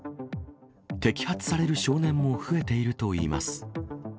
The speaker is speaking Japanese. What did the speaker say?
摘発される少年も増えているといいます。